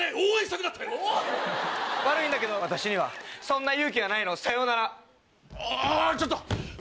悪いんだけど私にはそんな勇気はないのさようなら。